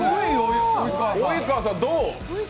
及川さん、どう？